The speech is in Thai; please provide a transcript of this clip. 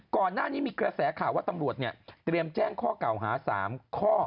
ก่อนหน้านี้มีกระแสข่าวว่าตำรวจเตรียมแจ้งข้อเก่าหา๓ข้อ